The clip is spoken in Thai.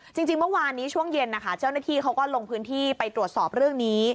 จริงเมื่อวานนี้ช่วงเย็นนะคะเจ้าหน้าที่เขาก็ลงพื้นที่ไปตรวจสอบเรื่องนี้